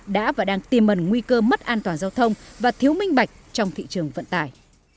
đã và đang tìm mần nguy cơ mất an toàn giao thông và thiếu minh bạch trong thị trường vận tải